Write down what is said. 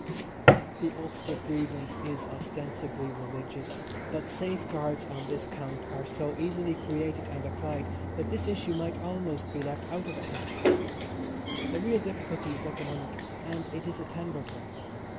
The Ulster grievance is ostensibly religious; but safeguards on this count are so easily created and applied that this issue might almost be left out of account. The real difficulty is economic, and it is a tangled one.